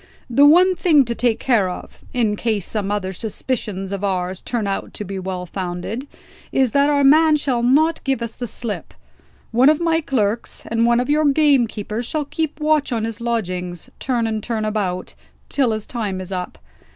The one thing to take care of in case some other suspicions of ours turn out to be well founded is that our man shall not give us the slip. One of my clerks, and one of your gamekeepers shall keep watch on his lodgings, turn and turn about, till his time is up.